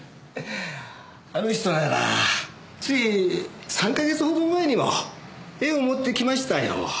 あの人ならつい３か月ほど前にも絵を持って来ましたよ。